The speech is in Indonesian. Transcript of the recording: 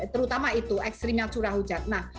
terutama itu ekstrimnya curah hujan